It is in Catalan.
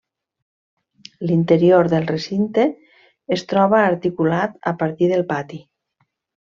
L'interior del recinte es troba articulat a partir del pati.